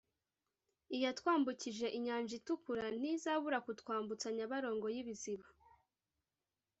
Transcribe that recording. iyatwambukije inyanja itukuru ntizabura kutwambutsa nyabarongo y’ibiziba“